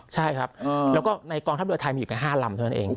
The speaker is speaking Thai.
ใช่ครับแล้วก็ในกองทัพเรือไทยมีอยู่แค่๕ลำเท่านั้นเอง